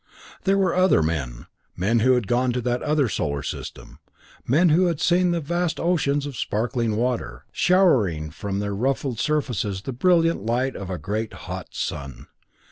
There were other men, men who had gone to that other solar system, men who had seen vast oceans of sparkling water, showering from their ruffled surfaces the brilliant light of a great, hot sun.